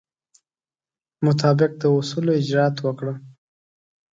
مطابق د اصولو اجرات وکړه.